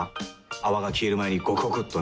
泡が消える前にゴクゴクっとね。